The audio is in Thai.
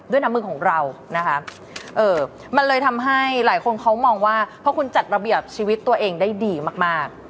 น้ำมือของเรานะคะมันเลยทำให้หลายคนเขามองว่าเพราะคุณจัดระเบียบชีวิตตัวเองได้ดีมาก